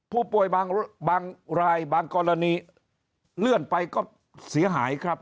ผู้ป่วยบางรายบางกรณีเลื่อนไปก็เสียหายครับ